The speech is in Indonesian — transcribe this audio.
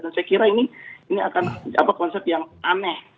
dan saya kira ini akan konsep yang aneh